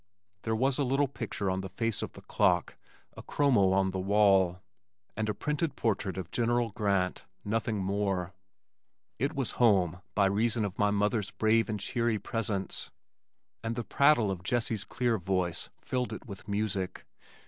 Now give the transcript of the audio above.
There was a little picture on the face of the clock, a chromo on the wall, and a printed portrait of General Grant nothing more. It was home by reason of my mother's brave and cheery presence, and the prattle of Jessie's clear voice filled it with music.